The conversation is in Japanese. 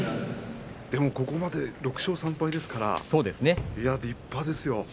ここまで６勝３敗ですから立派ですよ。